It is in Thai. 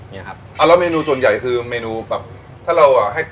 เอาแล้วเมนูส่วนใหญ่คือเมนูแบบ